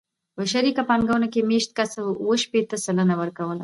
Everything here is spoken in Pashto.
په شریکه پانګونه کې مېشت کس اوه شپېته سلنه ورکوله